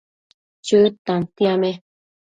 Chëd tantiame